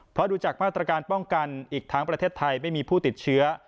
เพราะดูจากมาตรการป้องกันอีกทั้งประเทศไทยไม่มีผู้ติดเชื้อ